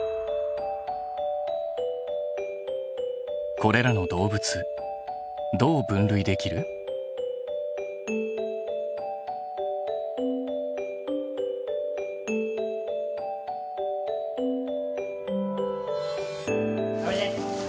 これらの動物どう分類できる？おいで！